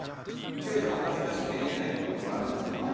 キョエちゃん恥ずかしくて言えないこととかあるんですか？